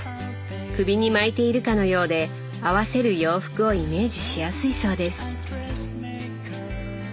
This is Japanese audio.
首に巻いているかのようで合わせる洋服をイメージしやすいそうです。